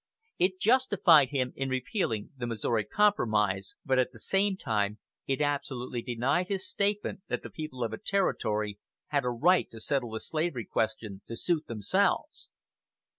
It justified him in repealing the Missouri Compromise, but at the same time it absolutely denied his statement that the people of a Territory had a right to settle the slavery question to suit themselves.